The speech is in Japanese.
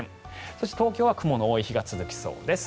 そして東京は雲の多い日が続きそうです。